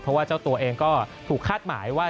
เพราะว่าเจ้าตัวเองก็ถูกคาดหมายว่า